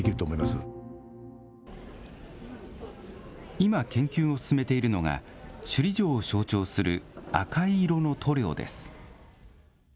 今、研究を進めているのが、首里城を象徴する赤い色の塗料です。